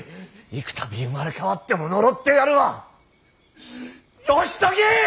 幾たび生まれ変わっても呪ってやるわ義時！